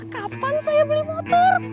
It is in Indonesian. kapan saya beli motor